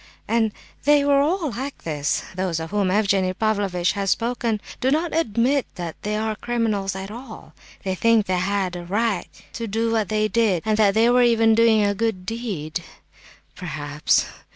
And they were all like this. Those of whom Evgenie Pavlovitch has spoken, do not admit that they are criminals at all; they think they had a right to do what they did, and that they were even doing a good deed, perhaps.